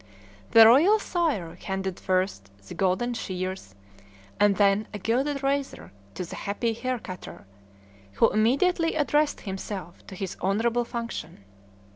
The royal sire handed first the golden shears and then a gilded razor to the happy hair cutter, who immediately addressed himself to his honorable function.